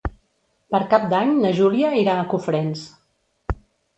Per Cap d'Any na Júlia irà a Cofrents.